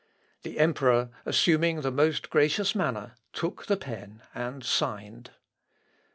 The emperor, assuming the most gracious manner, took the pen and signed.